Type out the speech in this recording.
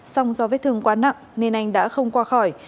song do vết thương quá nặng nên anh đã không qua khỏi